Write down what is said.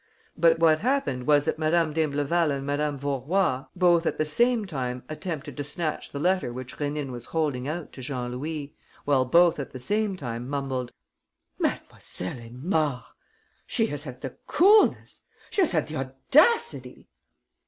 But what happened was that Madame d'Imbleval and Madame Vaurois both at the same time attempted to snatch the letter which Rénine was holding out to Jean Louis, while both at the same time mumbled: "Mlle. Aymard!... She has had the coolness ... she has had the audacity...!"